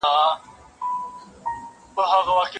پر بڼو به مي تڼاکي ستا درشل ته وي لېږلي